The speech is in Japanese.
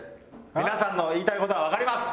皆さんの言いたい事はわかります。